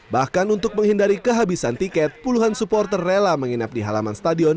bahkan untuk menghindari kehabisan tiket puluhan supporter rela menginap di halaman stadion